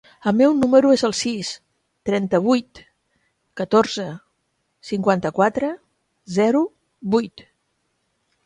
El meu número es el sis, trenta-vuit, catorze, cinquanta-quatre, zero, vuit.